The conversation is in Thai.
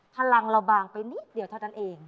พลังเราบางไปนิดเดียวเท่านั้นเอง